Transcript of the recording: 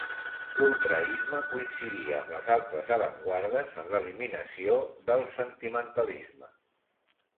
L'ultraisme coincidia amb les altres avantguardes en l'eliminació del sentimentalisme.